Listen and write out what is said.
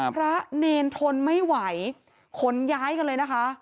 พระเนรทนไม่ไหวขนย้ายกันเลยนะคะ